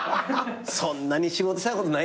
そんなに仕事したことない。